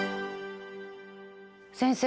先生